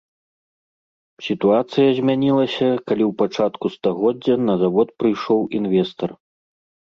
Сітуацыя змянілася, калі ў пачатку стагоддзя на завод прыйшоў інвестар.